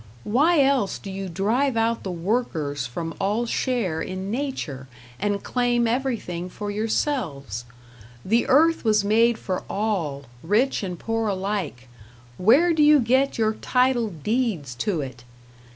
Why else do you drive out the workers from all share in Nature, and claim everything for yourselves? The earth was made for all, rich and poor alike; where do you get your title deeds to it?